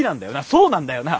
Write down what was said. そうなんだよな。